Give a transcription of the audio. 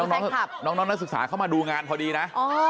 น้องนักศึกษาเข้ามาดูงานพอดีนะ